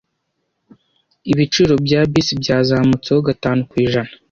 Ibiciro bya bisi byazamutseho gatanu kw ijana .